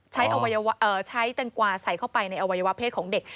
ใช้แตงกวาใส่เข้าไปในอวัยวะเพศของเด็ก